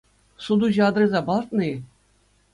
Сутуҫӑ адреса палӑртнӑ-и?